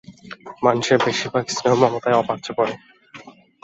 মানুষের বেশির ভাগ স্নেহ-মমতাই অপাত্রে পড়ে।